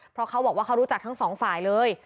เพราะเขาบอกว่าเขารู้จักทั้งสองฝ่ายเลย